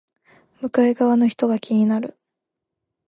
向かい側の人が気になる